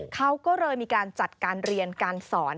เขาก็เลยมีการจัดการเรียนการสอน